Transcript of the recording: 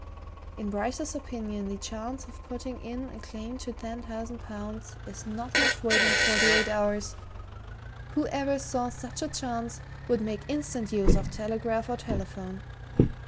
In Bryce's opinion the chance of putting in a claim to ten thousand pounds is not left waiting forty eight hours whoever saw such a chance would make instant use of telegraph or telephone.